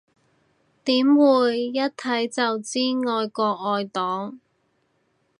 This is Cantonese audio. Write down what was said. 點會，一睇就知愛國愛黨